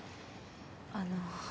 あの。